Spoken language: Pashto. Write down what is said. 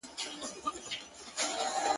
o سپين ږيري سپيني خبري کوي.